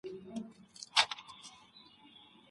ړوند هلک به له ډاره په اوږه باندي مڼه وساتي.